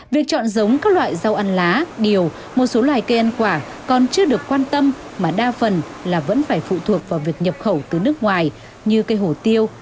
việc chọn giống các loại rau ăn lá điều một số loài cây ăn quả còn chưa được quan tâm mà đa phần là vẫn phải phụ thuộc vào việc nhập khẩu từ nước ngoài như cây hổ tiêu